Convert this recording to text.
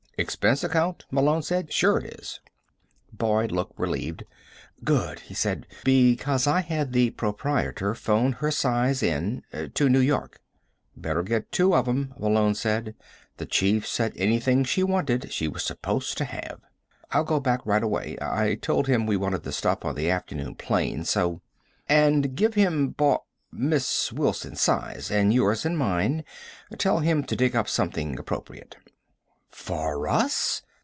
"Expense account," Malone said. "Sure it is." Boyd looked relieved. "Good," he said. "Because I had the proprietor phone her size in, to New York." "Better get two of 'em," Malone said. "The chief said anything she wanted, she was supposed to have." "I'll go back right away. I told him we wanted the stuff on the afternoon plane, so " "And give him Bar ... Miss Wilson's size, and yours, and mine. Tell him to dig up something appropriate." "For us?"